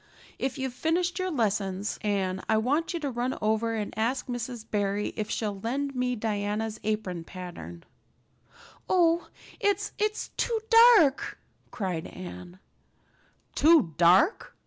If you've finished your lessons, Anne, I want you to run over and ask Mrs. Barry if she'll lend me Diana's apron pattern." "Oh it's it's too dark," cried Anne. "Too dark?